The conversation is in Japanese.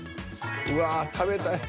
うわぁ食べたい。